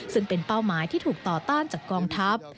ซึ่งเป็นเป้าหมายที่ถูกต่อต้านจากกองทัพ